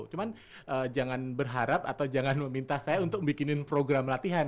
cuman jangan berharap atau jangan meminta saya untuk bikinin program latihan